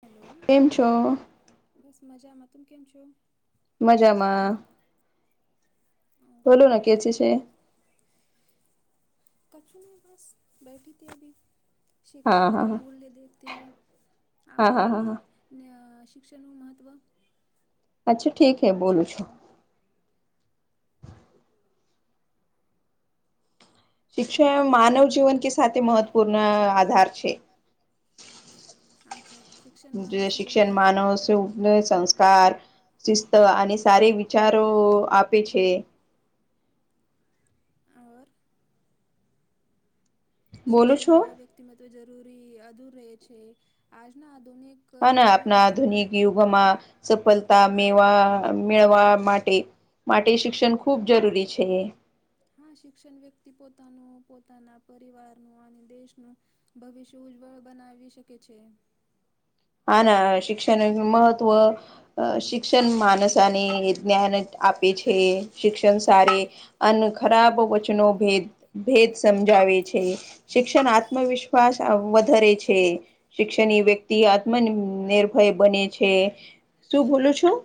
Hello બસ મજામાં તમે કેમ છો મજામાં બોલો નાઈ કે છે છે કચચું નઈ બસ બેઠી હતી શિક્ષણ કા મૂલ્ય દેખતે હુએ આપ બોલો ને ને શિક્ષણનું મહત્ત્વ અચ્છા ઠીક હે બોલું છુ. શિક્ષા માનવ જીવન કે સાથે મહત્વપૂર્ણ આધાર છે. જે શિક્ષણ માનવ સંસ્કાર સિસ્ટ તો આને સારી વિચારો આપે છે. ઓર શિક્ષણ વિના વ્યક્તિમવ જરૂરી અધૂર રહે છે, આજના આધુનિક હ ના આપણા આધુનિક યુગ પમા સફળતા મેવા મેળવા માટે માટ માટે શિક્ષણ ખૂબ જરૂરી છે. હા શિક્ષણ વ્યક્તિ પોતાનું પોતાના પરિવારનું અને દેશનું ભવિષ્ય ઉજ્જવળ બનાવી શકે છે. હા ના શિક્ષણ મહત્ત્વ અ શિક્ષણ માણસાને જ્ઞાન જ આપે છે, શિક્ષણ સારે અને ખરાબ વચનો ભેદ ભેદ સમજાવે છે, શિક્ષણ આત્મવિશ્વાસ વધારે છે, શિક્ષણ વ્યક્ ટે આત્મ નિર્ભય બને છે, શું બોલું છું?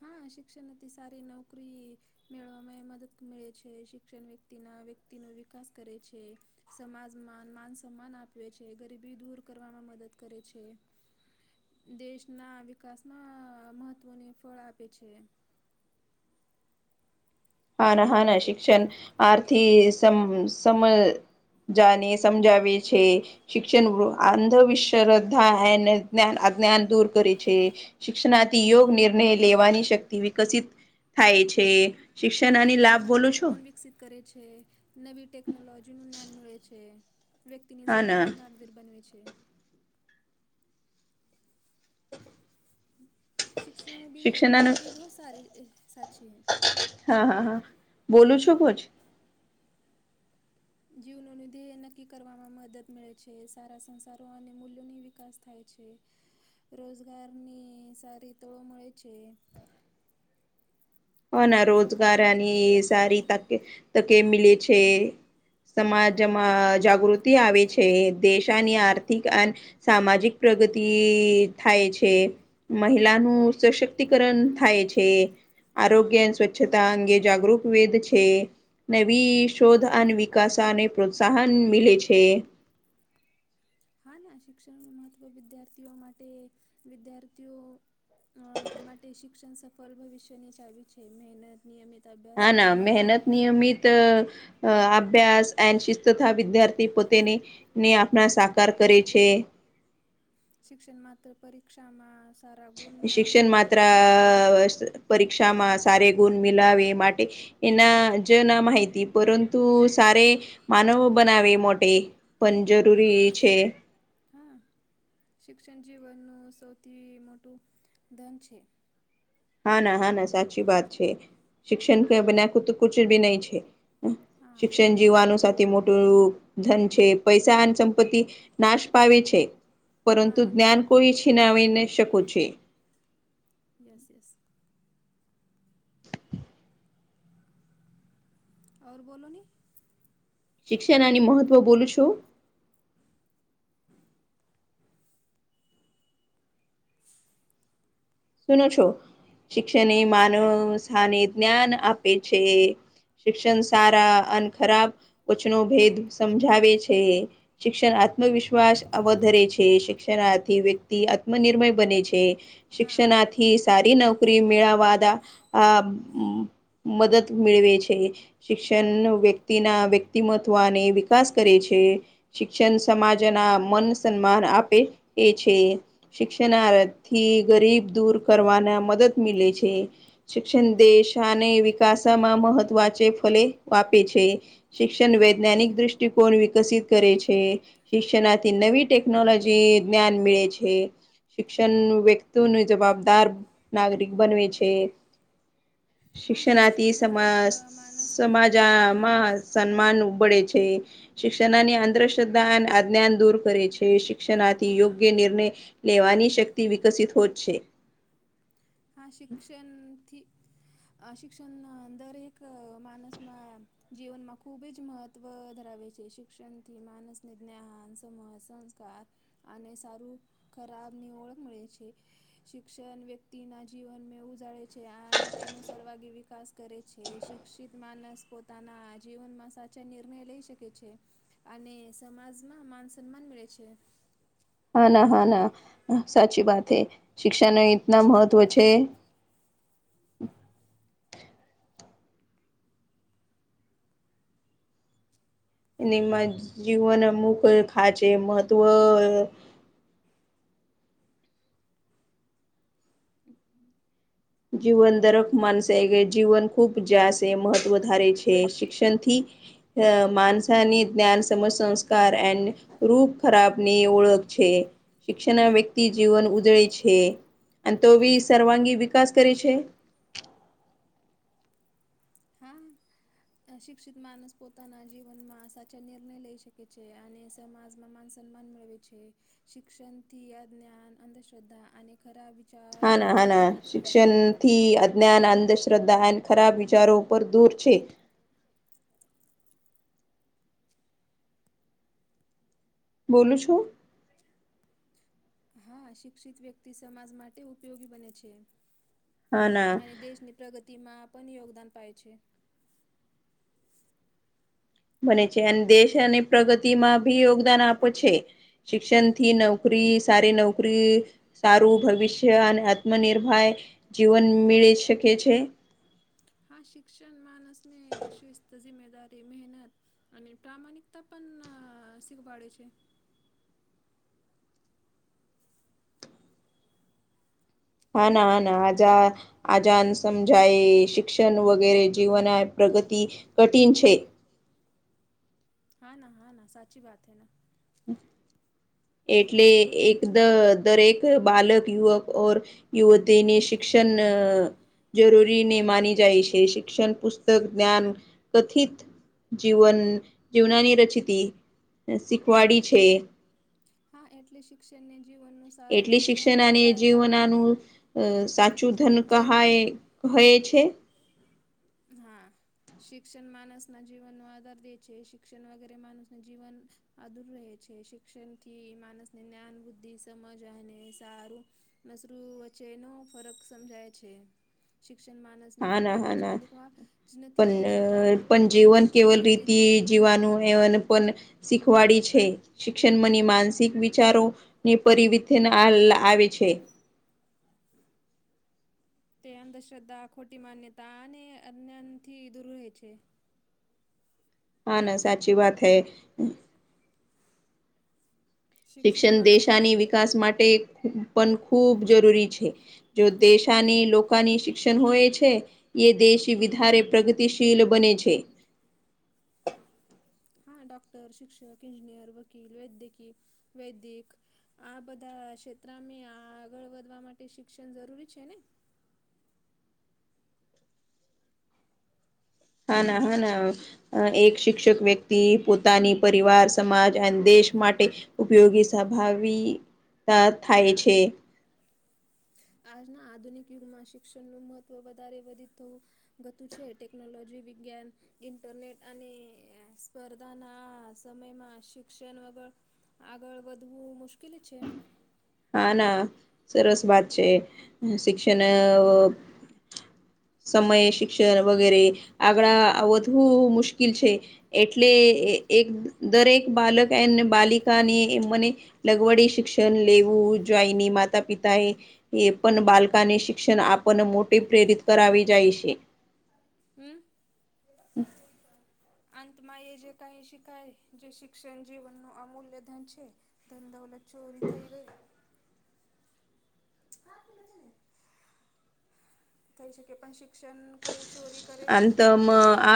હા શિક્ષણ હતી સારી નોકરી મેળવામાં મદદ મેે છે, શિક્ષણ વ્યક્તિના વ્યક્તિનો વિકાસ કરે છે. સમાજમાં માન સન્માન આપે છે, ગરીબી દૂર કરવામાં મદદ કરે છે. દેશના વિકાસમાં મહત્વની ફળ આપે છે. હા ના હા ના શિક્ષણ આર્થીક સમ સમ જાને સમજાવે છે. શિક્ષણ અંધવિશ્વ શ્ર્ધા એને જ્ જ્ઞાન દૂર કરે છે. શિક્ષણાથી યોગ નિર્ણય લેવાની શક્તિ વિકસિત થાય છે. હા વૈજ્ઞાનિક દૃષ્ટિકોન વિકસિત કરે છે, નવી ટેકનોલોજીનું જ્ઞાન મળે છે. વ્યક્તિની જવાબદાર નાગવીર બનેવે છે. શિક્ષણમાં ભી લાભ ભી બહુ સાર સાક્ષી હૈ. હા હા હા બોલું છું, કોજ જીવનોનું ધ્યેય નક્કી કરવામાં મદદ મળે છે, સારા સંસારો અને મૂલ્યોની વિકાસ થાય છે. રોજગારની સારી તોળો મળે છે. હના રોજગાર અને સારી તકે તકે મિલે છે, સમાજ માંજ જાગૃતિ આવે છે, દેશાની આર્થ ર્થિક અને સામાજિક પ્રગતિ થાય છે. મહિલાનું સશક્તિકરણ થાય છે. આરોગ્ય અને સ્વચ્છતા અંગે જાગૃત વેદ છે. નવી શોધ અનેન વિકાસાને પ્રોત્સાહન મીલે છે. હા ના શિક્ષણનું મહત્ત્વ વિદ્યાર્થીઓ માટે વિદ્યાર્થીઓ અ માટે શિક્ષણ સફળ ભવિષ્યની ચાવી છે, મહેનત નિયમિત હા ના મહેનત નિયમિત અભ્યાસ એ શિસ્ત તથા વિદ્યાર્થી પોતેની ને આપણા સાકાર કરે છે. શિક્ષણ માત્ર પરીક્ષામાં શિક્ષણ માત્ર પરીક્ષામાં સારે ગુણ મિલાવે માટે એના જ ના માહિતી પરંતુ સારે માનવો બનાવે મોટે પણ જરૂરી છે. હા શિક્ષણ જીવનનું સૌથી મોટું ધન છે. હા ના હા ના સાચી વાત છે શિક્ષણ કે બના તો કુછ ભી નહી. શિક્ષણ જીવવાનો સાથે મોટુંું ધન છે. પૈસા અને સંપત્તિ નાશ પાાવી છે. પરંતુ જ્ઞાન કોઈ છીનાવી ન શકો છે. સ સ ઓર બોલો ન શિક્ષણ અને મહત્વ બોલું છુ. સુનો છો શિક્ષણ માનવ સ્ને જ્ઞાન આપે છે. શિક્ષણ સારા અને ખરાબ વછનો ભેદ સમજાવે છે. શિક્ષણ આત્મવિશ્વાસ વધરે છે શિક્ષણથી વ્યક્તિ આત્મનિર્મય બને છે. શિક્ષનાથી સારી નોકરી મેળવવા મદદ મેળવે છે શિક્ષણ વ્યક્તિના વ્યક્તિમવને વિકાસ કરે છે શિક્ષણ સમાજના મન સન્માન આપે એ છે. શિક્ષણર્ થી ગરીબ દૂર કરવાના મદદ મિલે છે. શિક્ષણ દેશ અને વિકાસમાં મહત્વ છે, ફલે વાપે છે શિક્ષણ વૈજ્ઞાનિક દ્રષ્ટિકોણ વિકસિત કરે છે. શિક્ષણથી નવી ટેકનોલોજી જ્ઞાન મળે છે શિક્ષણ વ્યક્ત ન જવાબદાર નાગરિક બનવી છે શિક્ષણાથી સમા સમાજામાં સન્માન ઉભડે છે. શિક્ષણની અંધશ્રદ્ધા આજ્ઞાન દૂર કરે છે શિક્ષણથી યોગ્ય નિર્ણય લેવાની શક્તિ વિકસિત હોત છે. હા શિક્ષણ થી આ શિક્ષણ દરેક માનસમાં જીવનમાં ખૂબ જ મહત્વ ધરાવે છે શાંતિ માનસને જ્ઞાન સમૂહ સંસ્કાર અને સારું ખરાબની ઓળખ મળે છે. શિક્ષણ વ્યક્તિના જીવન મે ઉજાળે છે, અને તેનો સર્વાગી વિકાસ કરે છે શિક્ષિત માનસ પો પોતાના જીવનમાં સાચા નિર્ણય લઈ શકે છે. અને સમાજમાં માન સન્માન મેે છે. હા ના હા ના સાચી વાત હ શિક્ષા ન એતના મહત્ત્વ છે એનીમાં જીવન અમુક ખાચ મહત્વ જીવન દરક માનસે કે જીવન ખૂબ જાસે મહત્વ ધારે છે શિક્ષણથી અ માણસાની જ્ઞાન સમજ સંસ્કાર એડ રૂપ ખરાબ ની ઓળખ છે શિક્ષણના વ્યક્તિ જીવન ઉજળી છે. અને તો વી સર્વાંગી વિકાસ કરે છે. અ શિક્ષિત માણસ પોતાના જીવનમાં સાચા નિર્ણય લઈ શકે છે અને સમાજમાં માન સન્માન મેળવે શિક્ષણથીઞ અંધ્ર્ધા અને ખરા વિચારો દૂર થાય છે. થી અજ્ઞાન અંધશ્રદ્ધા એ ખરાબ વિચારો ઉપર દૂર છે બોલું છું. હા શિક્ષિત વ્યક્તિ સમાજ માટે ઉપયોગી બને છે અને દેશની પ્રગતિ તેમાં પણ યોગદાન પાહ છે બને છે અને દેશ અને પ્રગતિમાં ભી યોગદાન આપો છે. શિક્ષણ થી નોકરી સારી નોકરી સારું ભવિષ્ય અને આત્મનિર્ભર જીવન મેળ શકે છે. હા શિક્ષણ માણસ ને શિસ્ત જિમ્મેદાર તે મહેનત અને પ્રામાણિકતા પણ શીખવાડે છે હા ના હ ના આજા આજાાન સમજાય શિક્ષણ વગેરે જીવન પ્રગતિ કઠિન છે હા ના હા ના સાચી વાત હૈ ના એટલે એકદમ દરેક બાલક યુવક ઓર યુવતીને શિક્ષણ જરૂરી ને માની જાય છે શિક્ષણ પુસ્તક જ્ઞાન કથિત જીવન જીવનાની રચતી શીખવાડી છે હા એટલે શિક્ષણને જીવનનો એટલી શિક્ષણ અને જીવનનું અ સાચું ધન ક કહે છે હા. શિક્ષણ માણસના જીવનનો આધાર દે છે, શિક્ષણ વગેરે માણસ જીવન આધૂર રહે છે શિક્ષણથી માણસને જ્ઞાન, બુદ્ધિ, સમજ અને સારું નસર વચ્ચે નો ફરક સમજાય છે. શિક્ષણ માનસ ને ફક્ત વાંચવા લ- -ખવા નથી શીખવાડતું પણ જીવન કેવી રીતે જીવું વા શીખવાડી છે જન્મની માનસિક વિચારો ને પરિવર્તન આવે છે. તે અંધશ્રદ્ધા ખોટી માન્યતા અને અન્ઞાનથી દૂર રહે છે. હા ના સાચી વાત હૈ શિક્ષણ દેશાની વિકાસ માટે પણ ખૂબ જરૂરી છે, જો દેશાની લોકાની શિક્ષણ હોય છે છે એ દેશી વિધારે પ્રગતિશીલ બને છે. હા ડોક્ટર, શિક્ષક, એન્જિનિયર, વકીલ, વૈદ્ય, વૈદિક, આ બધા ક્ષેત્રમાં આગળ વધવા માટે શિક્ષણ જરૂરી છે ને હા ના હા ના અ એક શિક્ષક વ્યક્તિ પોતાની પરિવાર સમાજ અને દેશ માટે ઉપયોગી સ્ભાવીતા થાય છે. આજના આધુનિક યુગમાં શિક્ષણનું મહત્ત્વ વધારે વધીતું ગતું છે ટેકનોલોજી, વિજ્ઞાન, ઇન્ટરનેટ અને સ્પર્ધાના સમયમાં શિક્ષણ વગર આગળ વધવું મુશ્કેલ છે. હા ના સરસ વાત છે, શિક્ષણ સમય, શિક્ષણ વગેરે આગળ વધવું મુશ્કેલ છે. એટલે એક દરેક બાલક એન, બાલિકાની મને લગવડી શિક્ષણ લેવું જોઈની માતા પિતાએ એ પણ બાલકાને શિક્ષણ આપણને મોટી પ્રેરિત કરાવી જાય છે. હમ્મ અંતમાં એ જે કઈ શીખાય જે શિક્ષણ જીવનનું અમૂલ્ય ધન છે તેમ દોલત ચોરી થઈ ગઈ થઈ શકે પણ શ કોઈ ચોરી કરી શકતું નથી.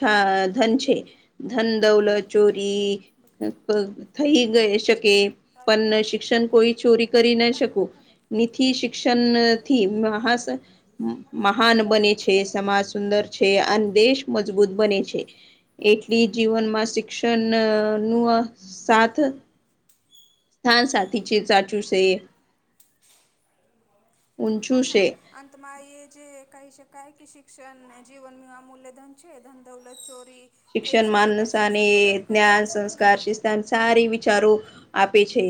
હ ધન છે, ધન, દોલત, ચોરી થઈ ગઈ શકે કે પણ શિક્ષણ કોઈ ચોરી કરી ના શકું નીથી શિક્ષણથી મહાન બને છે, સમાજ સુંદર છે અને દેશ મજબૂત બને છે. એટલી જીવનમાં શિક્ષણનું સાથ સાથી છે, ચાચુ છે. હા ના માં એ જે કહી શકાય કે શિક્ષણ જીવનનુ અમૂલ્યધન છે, ધન, દૌલત, ચોરી, થઈ શકે પણ શિક્ષણ ક છોરી કરી શ છટું નહી સારી વિચારો આપે છે.